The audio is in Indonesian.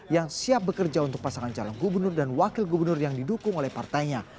yang siap bekerja untuk pasangan calon gubernur dan wakil gubernur yang didukung oleh partainya